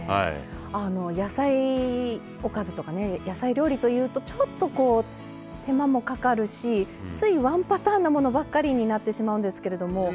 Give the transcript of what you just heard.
あの野菜おかずとか野菜料理というとちょっとこう手間もかかるしついワンパターンなものばっかりになってしまうんですけれども。